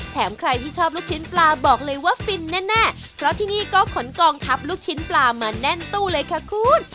ใครที่ชอบลูกชิ้นปลาบอกเลยว่าฟินแน่เพราะที่นี่ก็ขนกองทัพลูกชิ้นปลามาแน่นตู้เลยค่ะคุณ